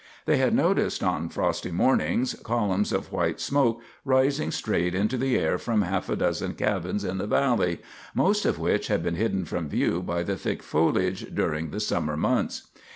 They had noticed on frosty mornings columns of white smoke rising straight into the air from half a dozen cabins in the valley, most of which had been hidden from view by the thick foliage during the summer months.